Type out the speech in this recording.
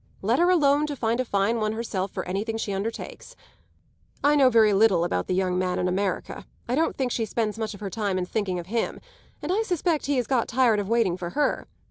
Let her alone to find a fine one herself for anything she undertakes. I know very little about the young man in America; I don't think she spends much of her time in thinking of him, and I suspect he has got tired of waiting for her.